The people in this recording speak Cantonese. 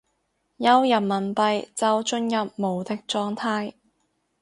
有人民幣就進入無敵狀態